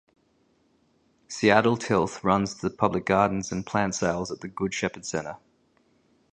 Seattle Tilth runs the public gardens and plant sales at the Good Shepherd Center.